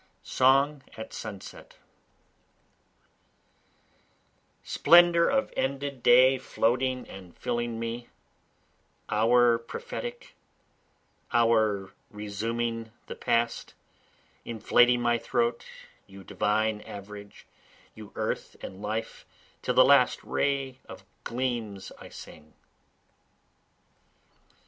Song at Sunset Splendor of ended day floating and filling me, Hour prophetic, hour resuming the past, Inflating my throat, you divine average, You earth and life till the last ray gleams I sing.